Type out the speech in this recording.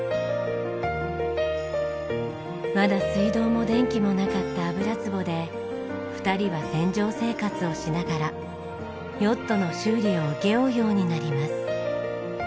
まだ水道も電気もなかった油壺で２人は船上生活をしながらヨットの修理を請け負うようになります。